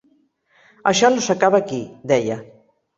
Això no s’acaba aquí, deia.